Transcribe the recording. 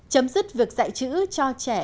chấm dứt việc dạy chữ cho trẻ